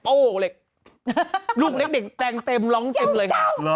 โอ้เหล็กลูกเล็กแต่งเต็มร้องเจ็บเลย